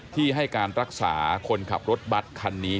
ที่ให้การรักษาคนขับรถบัตรคันนี้